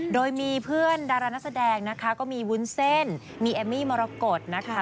โดยมีเพื่อนดารานักแสดงนะคะก็มีวุ้นเส้นมีเอมมี่มรกฏนะคะ